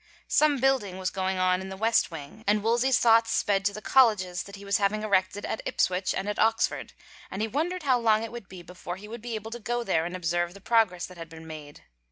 Some building was going on in the west wing and Wolsey's thoughts sped to the colleges that he was having erected at Ipswich and at Oxford and he wondered how long it would be before he would be able to go there and observe the progress that had been made.